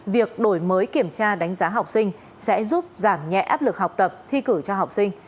việc đổi mới kiểm tra đánh giá học sinh sẽ giúp giảm nhẹ áp lực học tập thi cử cho học sinh